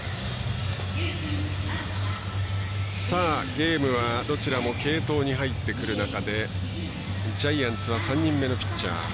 ゲームはどちらも継投に入ってくる中でジャイアンツは３人目のピッチャー。